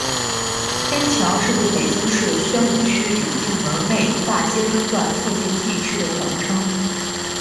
天桥是对北京市宣武区永定门内大街中段附近地区的统称。